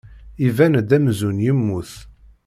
Iban-d amzun yemmut.